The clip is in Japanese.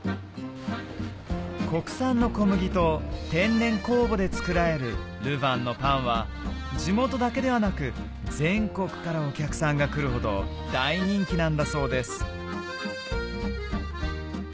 国産の小麦と天然酵母で作られるルヴァンのパンは地元だけではなく全国からお客さんが来るほど大人気なんだそうです